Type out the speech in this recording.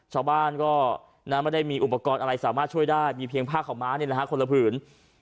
ชาวบ้านก็ไม่ได้มีอุปกรณ์อะไรสามารถช่วยได้มีเพียงผ้าขาวม้าคนละผืน